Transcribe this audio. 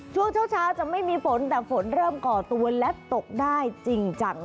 ช่วงเช้าจะไม่มีฝนแต่ฝนเริ่มก่อตัวและตกได้จริงจัง